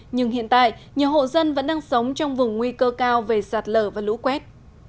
nhưng hiện tại nhiều hộ dân vẫn đang sống trong vùng nguy cơ cao về sạt lở và lũ quét